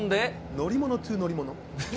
乗り物ｔｏ乗り物。